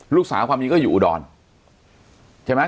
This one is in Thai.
ลูกสาวความยิ่งก็อยู่อุดรนใช่ไหม